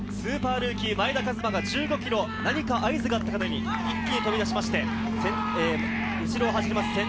ルーキー前田和摩が１５ｋｍ、何か合図があったかのように、一気に飛び出しまして、後ろを走ります